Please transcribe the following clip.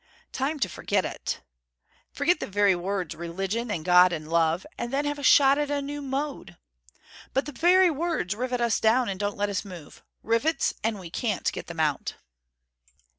Time to forget it. Forget the very words religion, and God, and love then have a shot at a new mode. But the very words rivet us down and don't let us move. Rivets, and we can't get them out."